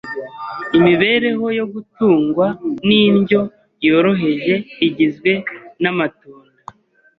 imibereho yo gutungwa n’indyo yoroheje igizwe n’amatunda,